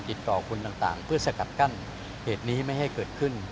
ติดต่อคนต่างเพื่อสกัดกั้นเหตุนี้ไม่ให้เกิดขึ้น